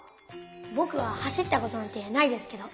ぼくは走ったことなんてないですけど。